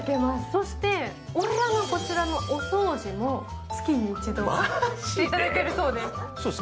そしてお部屋のお掃除も月に一度はしていただけるそうです。